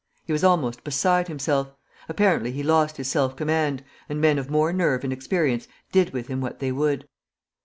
He was almost beside himself. Apparently he lost his self command, and men of more nerve and experience did with him what they would.